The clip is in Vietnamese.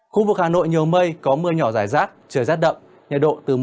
khu vực hà nội nhiều mây có mưa nhỏ dài rát trời rét đậm nhiệt độ từ một mươi đến một mươi bảy độ